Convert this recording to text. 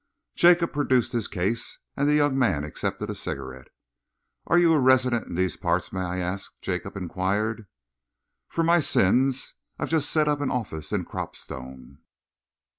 Jacob produced his case, and the young man accepted a cigarette. "Are you a resident in these parts, may I ask?" Jacob enquired. "For my sins. I've just set up an office in Cropstone."